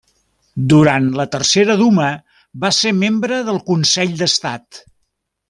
Durant la tercera Duma, va ser membre del Consell d'Estat.